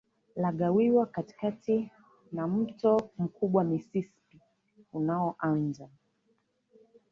lagawiwa katikati na mto mkubwa Mississippi unaoanza